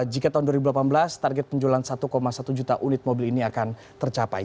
jika tahun dua ribu delapan belas target penjualan satu satu juta unit mobil ini akan tercapai